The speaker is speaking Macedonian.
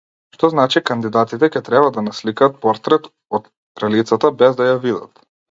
Што значи, кандидатите ќе треба да насликаат портрет од кралицата без да ја видат!